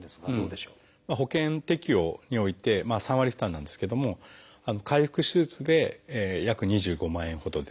保険適用において３割負担なんですけども開腹手術で約２５万円ほどで。